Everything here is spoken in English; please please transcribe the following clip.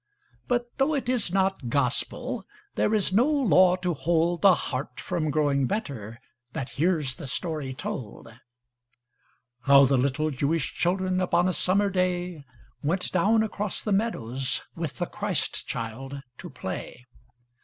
But though it is not Gospel, There is no law to hold The heart from growing better That hears the story told: How the little Jewish children Upon a summer day, Went down across the meadows With the Child Christ to play.